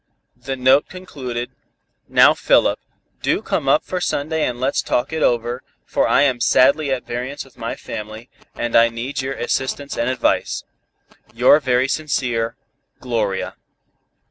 The note concluded: "Now, Philip, do come up for Sunday and let's talk it over, for I am sadly at variance with my family, and I need your assistance and advice. "Your very sincere, "GLORIA."